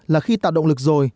là khi tạo động lực rồi